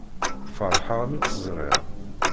Ferḥeɣ mi tt-ẓriɣ.